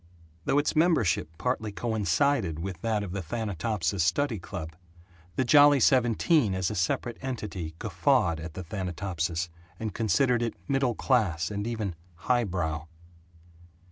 Though its membership partly coincided with that of the Thanatopsis study club, the Jolly Seventeen as a separate entity guffawed at the Thanatopsis, and considered it middle class and even "highbrow."